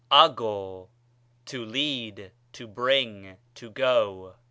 ἄγω, to lead, to bring, to go.